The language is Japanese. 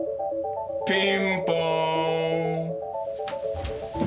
ピンポーン！